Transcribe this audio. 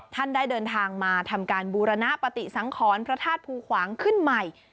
ท่านได้เดินทางมาทำการบูรณปฏิสังขรพระธาตุภูขวางขึ้นใหม่